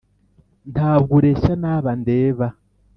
Ntabwo ureshya n’aba ndeba,